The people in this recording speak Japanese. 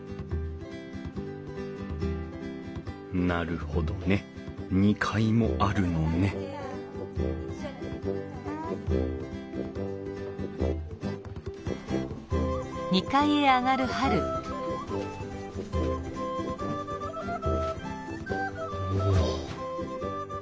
なるほどね２階もあるのねお。